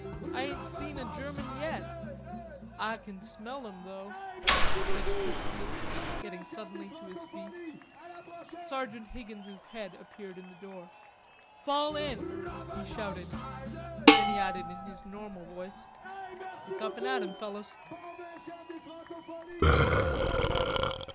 I ain't seen a German yet." "Ah kin smell 'em though," said Chrisfield, getting suddenly to his feet. Sergeant Higgins' head appeared in the door. "Fall in," he shouted. Then he added in his normal voice, "It's up and at 'em, fellers."